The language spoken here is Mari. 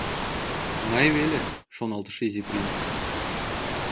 «Оҥай веле! — шоналтыш Изи принц.